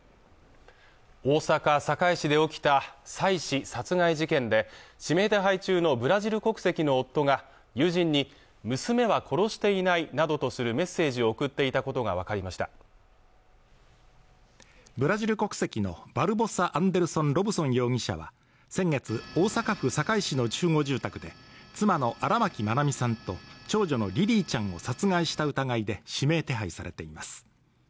大阪堺市で起きた妻子殺害事件で指名手配中のブラジル国籍の夫が友人に娘は殺していないなどとするメッセージを送っていたことが分かりましたブラジル国籍のバルボサ・アンデルソン・ロブソン容疑者は先月大阪府堺市の集合住宅で妻の荒牧愛美さんと長女のリリィちゃんを殺害した疑いで指名手配されています